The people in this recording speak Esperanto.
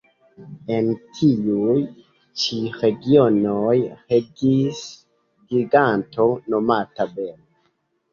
En tiuj ĉi regionoj regis giganto nomata Bel.